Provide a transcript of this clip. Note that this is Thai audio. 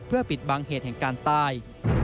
เพื่อปิดบังเหตุแห่งการตาย